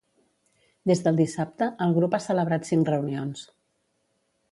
Des del dissabte, el grup ha celebrat cinc reunions.